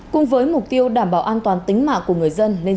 cùng với mục tiêu đảm bảo an toàn tính mạng của người dân